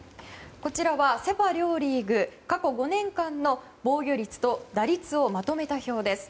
こちらはセ・パ両リーグ過去５年間の防御率と打率をまとめた表です。